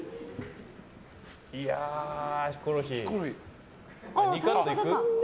いや、ヒコロヒー。